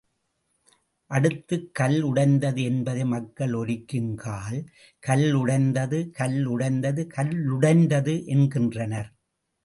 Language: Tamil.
அடுத்து, கல் உடைந்தது என்பதை மக்கள் ஒலிக்குங்கால், கல் உடைந்தது கல் உடைந்தது கல்லுடைந்தது என்கின்றனர்.